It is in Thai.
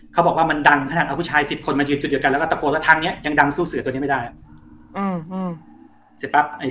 เขาบอกว่ามันดังขนาดเอาผู้ชาย๑๐คนมายืนจุดเดียวกันแล้วก็ตะโกนว่าทางนี้ยังดังสู้เสือตัวนี้ไม่ได้